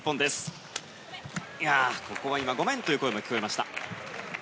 ここは今、ごめん！という声も聞こえました。